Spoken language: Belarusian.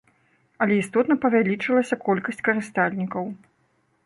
Але істотна павялічылася колькасць карыстальнікаў.